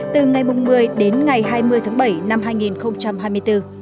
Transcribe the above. từ ngày một mươi đến ngày hai mươi tháng bảy năm hai nghìn hai mươi bốn